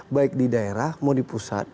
baik di daerah maupun di pusat